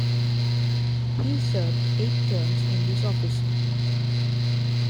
He served eight terms in this office.